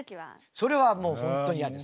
それはもう本当に嫌です。